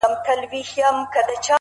ځوان دعا کوي،